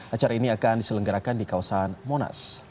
acara ini akan diselenggarakan di kawasan monas